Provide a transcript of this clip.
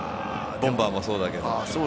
ボンバーもそうだけど。